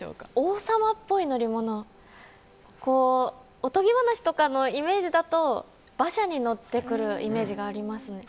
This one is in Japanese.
おとぎ話とかのイメージだと馬車に乗ってくるイメージがありますね。